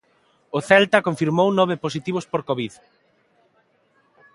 O Celta confirmou nove positivos por Covid.